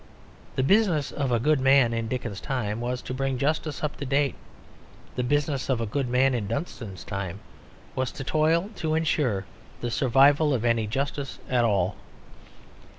The business of a good man in Dickens's time was to bring justice up to date. The business of a good man in Dunstan's time was to toil to ensure the survival of any justice at all.